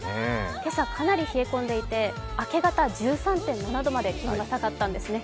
今朝、かなり冷え込んでいて、明け方１３．７度まで気温が下がったんですね。